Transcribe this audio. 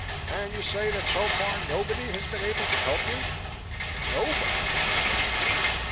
"And you say that so far nobody has been able to help you?" "Nobody," I replied.